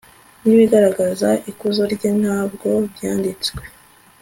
n'ibigaragaza ikuzo rye nta bwo byanditswe